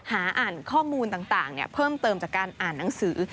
อ่านข้อมูลต่างเพิ่มเติมจากการอ่านหนังสือ